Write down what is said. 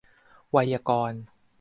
ไวยากรณ์